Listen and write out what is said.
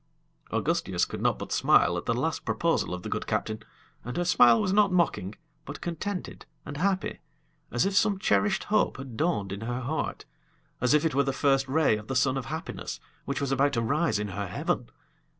Augustias could not but smile at the last proposal of the good captain, and her smile was not mocking, but contented and happy, as if some cherished hope had dawned in her heart, as if it were the first ray of the sun of happiness which was about to rise in her heaven!